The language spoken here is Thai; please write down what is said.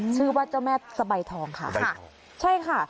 ชื่อว่าเจ้าแม่สะใบทองค่ะใช่ค่ะ